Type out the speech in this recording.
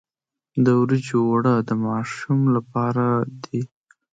د وریجو اوړه د ماشوم لپاره دي.